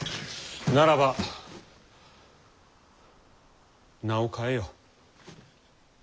ならば名を変えよ。